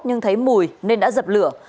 nhưng thấy mùi nên đã dập lửa